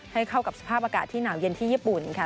ให้เข้ากับสภาพอากาศที่หนาวเย็นที่ญี่ปุ่นค่ะ